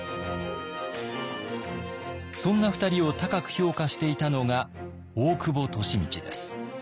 そんな２人を高く評価していたのが大久保利通です。